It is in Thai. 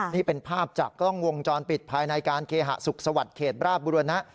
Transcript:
นี่เป็นภาพจากกล้องวงจรปิดภายในการเคหสุขสวัสดิ์เขตราบบุรณะ